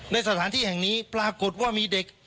ในสถานที่แห่งนี้ปรากฏว่ามีเด็ก